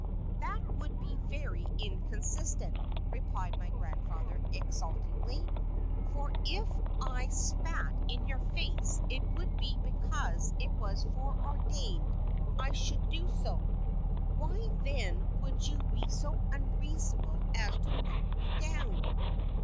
"That would be very inconsistent," replied my grandfather, exultingly; "for if I spat in your face it would be because it was foreordained I should do so: why then would you be so unreasonable as to knock me down?"